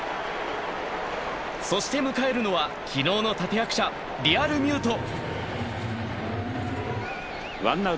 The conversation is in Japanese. そして、迎えるのは昨日の立役者リアルミュート。